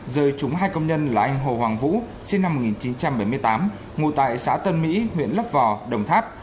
rời trúng hai công nhân là anh hồ hoàng vũ sinh năm một nghìn chín trăm bảy mươi tám ngụ tại xã tân mỹ huyện lấp vò đồng tháp